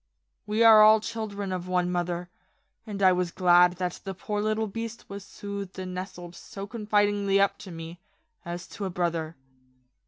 We are all children of one mother, and I was glad that the poor little beast was soothed and nestled so confidingly up to me, as to a brother.